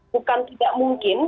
bukan tidak mungkin